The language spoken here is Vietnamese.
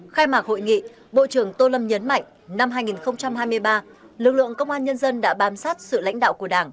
khai mạc hội nghị bộ trưởng tô lâm nhấn mạnh năm hai nghìn hai mươi ba lực lượng công an nhân dân đã bám sát sự lãnh đạo của đảng